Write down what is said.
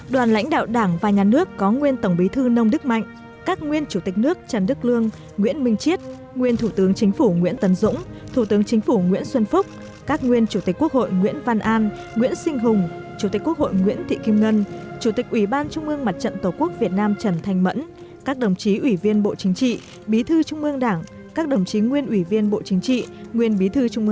đoàn lãnh đạo đảng và nhà nước có nguyên tổng bí thư nông đức mạnh các nguyên chủ tịch nước trần đức lương nguyễn minh chiết nguyên thủ tướng chính phủ nguyễn tấn dũng thủ tướng chính phủ nguyễn xuân phúc các nguyên chủ tịch quốc hội nguyễn văn an nguyễn sinh hùng chủ tịch quốc hội nguyễn thị kim ngân chủ tịch ủy ban trung ương mặt trận tổ quốc việt nam trần thanh mẫn các đồng chí ủy viên bộ chính trị bí thư trung ương đảng các đồng chí nguyên ủy viên bộ chính trị nguyên bí